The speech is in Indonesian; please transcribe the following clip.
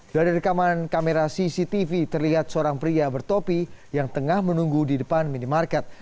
dari rekaman kamera cctv terlihat seorang pria bertopi yang tengah menunggu di depan minimarket